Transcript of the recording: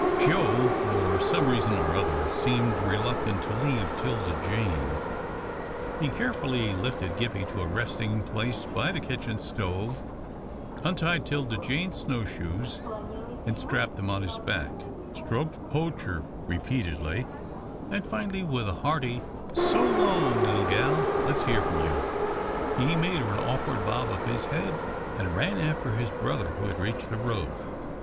Joe, for some reason or other, seemed reluctant to leave 'Tilda Jane. He carefully lifted Gippie to a resting place by the kitchen stove, untied 'Tilda Jane's snow shoes and strapped them on his back, stroked Poacher repeatedly, and finally with a hearty "So long, little gal, let's hear from you," he made her an awkward bob of his head and ran after his brother, who had reached the road.